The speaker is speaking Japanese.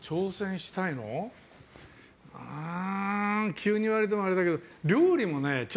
急に言われてもあれだけど料理もね